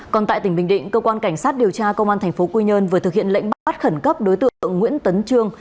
còn tại tỉnh bình định cơ quan cảnh sát điều tra công an tp quy nhơn vừa thực hiện lệnh bắt khẩn cấp đối tượng nguyễn tấn trương